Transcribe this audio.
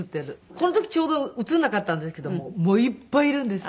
この時ちょうど写らなかったんですけどもいっぱいいるんですよ。